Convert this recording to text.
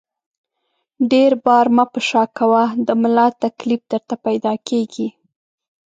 ډېر بار مه په شا کوه ، د ملا تکلیف درته پیدا کېږي!